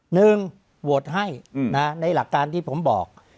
หนึ่งโหวตให้ในหลักการที่ผมบอก